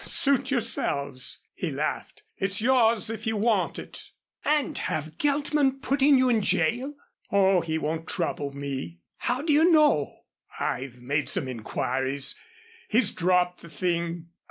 "Suit yourselves," he laughed. "It's yours if you want it." "And have Geltman putting you in jail?" "Oh, he won't trouble me." "How do you know?" "I've made some inquiries. He's dropped the thing."